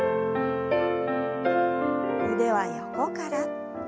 腕は横から。